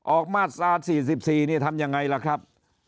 ออกมาตรา๔๔นี่ทำยังไงล่ะครับ